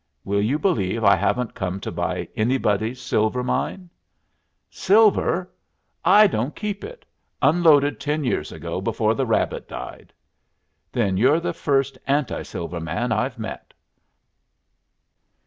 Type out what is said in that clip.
"Will you believe I haven't come to buy anybody's silver mine?" "Silver! I don't keep it. Unloaded ten years ago before the rabbit died." "Then you're the first anti silver man I've met."